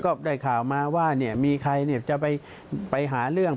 ก็ได้ข่าวมาว่ามีใครจะไปหาเรื่อง